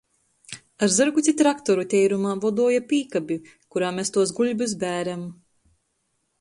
Ar zyrgu ci traktoru teirumā voduoja pīkabi, kurā mes tuos guļbys bērem.